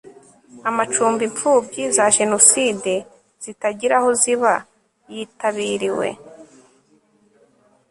amacumbi imfubyi za jenoside zitagira aho ziba yitabiriwe